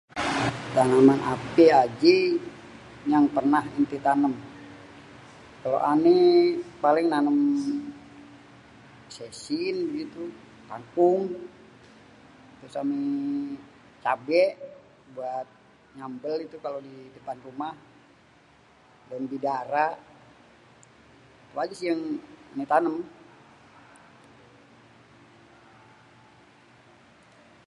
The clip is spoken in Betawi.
"""Taneman apé ajé yang pernah enté tanem?"" Kalo ané paling nanem cesim gitu kangkung terusan cabé buat nyambel itu kalo di depan rumah daun bidara. Itu aja sih yang ané tanem."